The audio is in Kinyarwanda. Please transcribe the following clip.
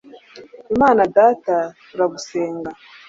imana data, turagusenga